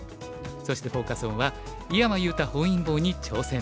そしてフォーカス・オンは「井山裕太本因坊に挑戦！